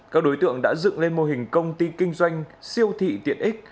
các đối tượng đã dựng lên mô hình công ty kinh doanh siêu thị tiện ích